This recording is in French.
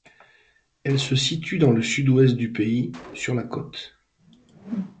Elle se situe dans le sud-ouest du pays, sur la côte.